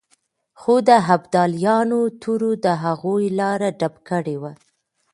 خو د ابدالیانو تورو د هغوی لاره ډب کړې وه.